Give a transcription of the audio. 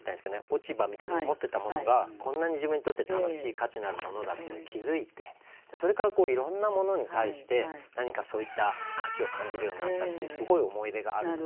落ち葉みたいに思ってたものがこんなに自分にとって楽しい価値のあるものだっていうのに気付いてそれからいろんなものに対して何かそういった価値を感じるようになったっていうすごい思い出があるので。